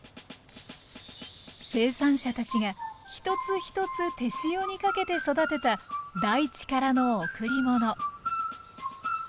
生産者たちが一つ一つ手塩にかけて育てた大地からの贈り物